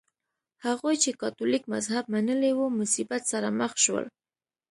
هغوی چې کاتولیک مذهب منلی و مصیبت سره مخ شول.